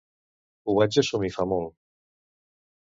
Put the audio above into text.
Ho vaig assumir fa molt.